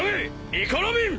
ニコ・ロビン！